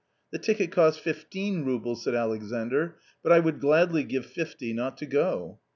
"The ticket costs fifteen roubles," said Alexandr, "but I would gladly give fifty not to go."